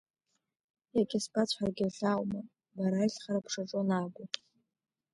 Иагьа сбацәҳаргьы хьааума, бара аиӷьхара бшаҿу анаабо.